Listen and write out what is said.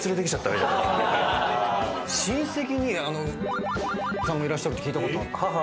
親戚にさんがいらっしゃるって聞いた事が。